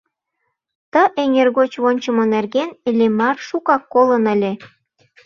Ты эҥер гоч вончымо нерген Иллимар шукак колын ыле.